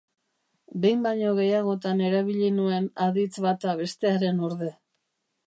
Behin baino gehiagotan erabili nuen aditz bata bestearen orde.